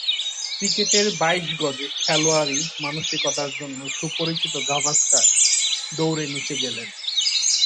ক্রিকেটের বাইশ গজে খেলোয়াড়ি মানসিকতার জন্য সুপরিচিত গাভাস্কার দৌড়ে নিচে গেলেন।